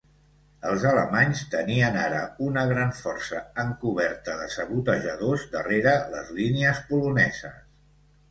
Els alemanys tenien ara una gran força encoberta de sabotejadors darrere les línies poloneses.